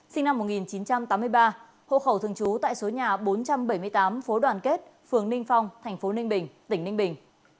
sinh năm một nghìn chín trăm tám mươi ba hộ khẩu thường trú tại số nhà bốn trăm bảy mươi tám phố đoàn kết phường ninh phong thành phố ninh bình tỉnh ninh bình